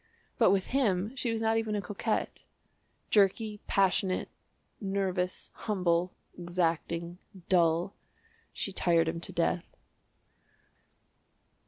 But with him she was not even a coquette jerky, passionate, nervous, humble, exacting, dull she tired him to death.